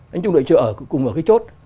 anh trung đội trưởng ở cùng một cái chốt